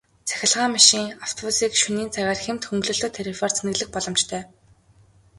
Цахилгаан машин, автобусыг шөнийн цагаар хямд хөнгөлөлттэй тарифаар цэнэглэх боломжтой.